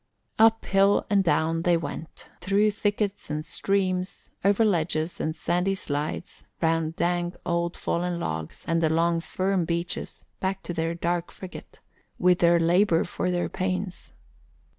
Uphill and down they went, through thickets and streams, over ledges and sandy slides, round dank old fallen logs and along firm beaches, back to their dark frigate, with their labour for their pains.